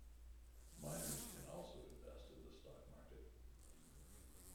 Minors can also invest in the stock market.